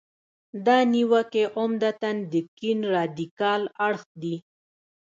دا نیوکې عمدتاً د کیڼ رادیکال اړخ دي.